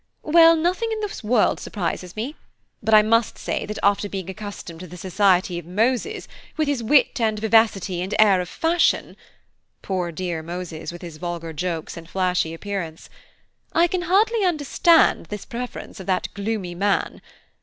Well, nothing in this world surprises me; but I must say that after being accustomed to the society of Moses, with his wit and vivacity and air of fashion" (poor dear Moses, with his vulgar jokes and flashy appearance), "I can hardly understand this preference of that gloomy man.